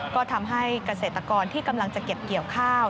ก็ทำให้เกษตรกรที่กำลังจะเก็บเกี่ยวข้าว